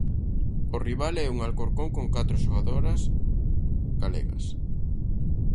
O rival é un Alcorcón con catro xogadoras galegas.